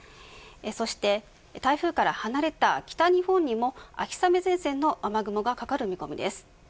そして台風から離れた北日本にも秋雨前線の雨雲がかかる見込みです。